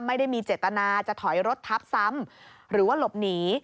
ไม่ได้มีเจตนาจะถอยรถทับซ้ำหรือว่าหลบหนี